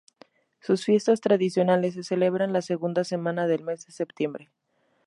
Sus fiestas tradicionales se celebran la segunda semana del mes de Septiembre.